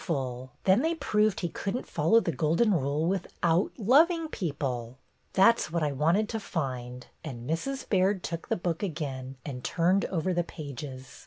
Then they proved he could n't follow the Golden Rule without loving people, "That 's what I wanted to find," and Mrs. Baird took the book again and turned over the pages.